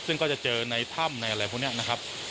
ซึ่งก็จะเจอในถ้ำในอะไรพวกนี้นะครับ